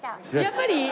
やっぱり？